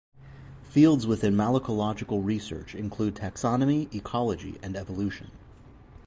Fields within malacological research include taxonomy, ecology and evolution.